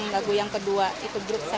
lagu yang kedua itu group tujuh belas gitu ya